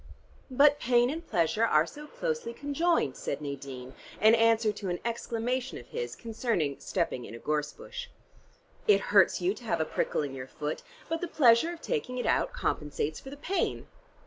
"But pain and pleasure are so closely conjoined," said Nadine, in answer to an exclamation of his concerning stepping in a gorse bush. "It hurts you to have a prickle in your foot, but the pleasure of taking it out compensates for the pain!"